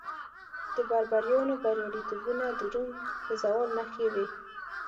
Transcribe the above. د بربریانو بریالیتوبونه د روم د زوال نښې وې